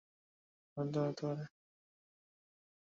লিঙ্গ-অন্ধত্ব বা লিঙ্গ নিরপেক্ষতার জন্য এটি অন্য শব্দও হতে পারে।